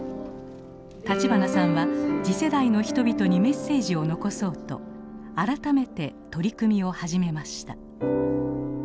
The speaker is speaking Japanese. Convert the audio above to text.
立花さんは次世代の人々にメッセージを残そうと改めて取り組みを始めました。